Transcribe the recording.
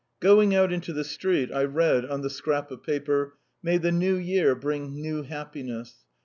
Going out into the street, I read on the scrap of paper: "May the New Year bring new happiness.